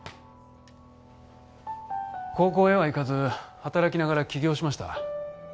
高校へは行かず働きながら起業しました。